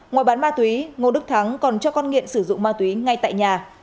ngoài bán ma túy ngô đức thắng còn cho con nghiện sử dụng ma túy ngay tại nhà